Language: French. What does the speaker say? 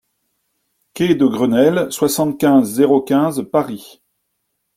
Quai de Grenelle, soixante-quinze, zéro quinze Paris